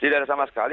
tidak ada sama sekali